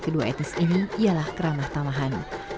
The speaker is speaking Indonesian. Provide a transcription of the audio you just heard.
kedua etnis ini ialah keramah tamahan